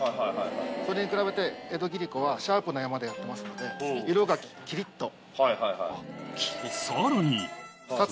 それに比べて江戸切子はシャープな山でやってますので色がキリっと。